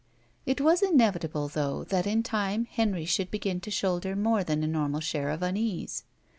It was inevitable, though, that in time Henry should begin to shoulder more than a normal share of unease.